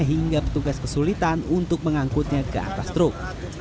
hingga petugas kesulitan untuk mengangkutnya ke atas truk